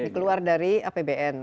keluar dari apbn